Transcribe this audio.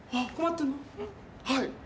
はい。